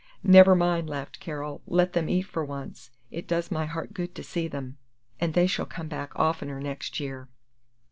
"Never mind," laughed Carol, "let them eat for once; it does my heart good to see them, and they shall come oftener next year."